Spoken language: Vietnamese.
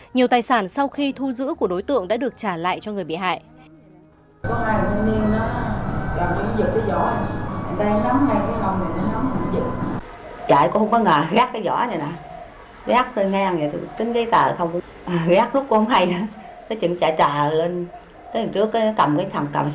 nhiều tài sản sau khi thu giữ của đối tượng đã được trả lại cho người bị hại